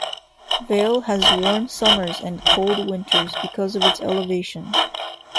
Vail has warm summers and cold winters because of its elevation.